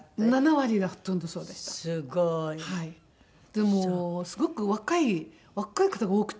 でもすごく若い若い方が多くて。